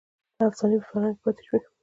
دا افسانې په فرهنګ کې پاتې شوې.